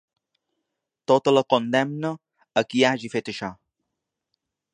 Tota la condemna a qui hagi fet això.